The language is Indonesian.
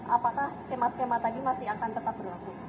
apakah skema skema tadi masih akan tetap berlaku